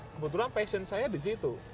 kebetulan passion saya di situ